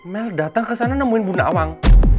mel dateng kesana nemuin bunda awang